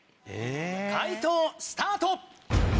解答スタート！